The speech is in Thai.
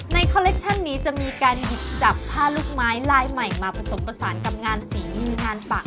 คอลเลคชั่นนี้จะมีการหยิบจับผ้าลูกไม้ลายใหม่มาผสมผสานกับงานฝีมืองานปัก